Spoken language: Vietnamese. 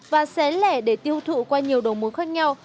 và xé lẻ để tiêu thụ qua nhiều đầu mối khác nhau